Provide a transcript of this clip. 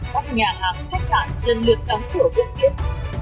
các nhà hàng khách sạn lần lượt đóng cửa bước tiến